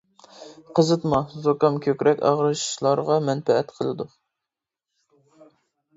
قىزىتما، زۇكام كۆكرەك ئاغرىشلارغا مەنپەئەت قىلىدۇ.